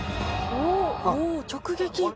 おお直撃。